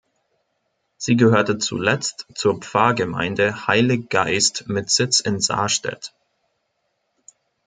Sie gehörte zuletzt zur Pfarrgemeinde Heilig Geist mit Sitz in Sarstedt.